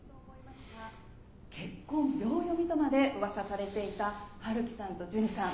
「結婚秒読みとまで噂されていた陽樹さんとジュニさん